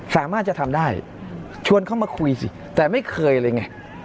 สามารถจะทำได้ชวนเข้ามาคุยสิแต่ไม่เคยเลยไง